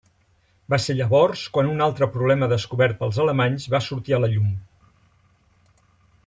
Va ser llavors quan un altre problema descobert pels alemanys va sortir a la llum.